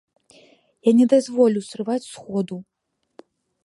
Я не дазволю зрываць сходу!